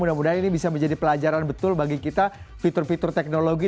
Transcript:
mudah mudahan ini bisa menjadi pelajaran betul bagi kita fitur fitur teknologi